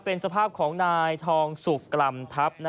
เป็นสภาพของนายทองสุกกล่ำทัพ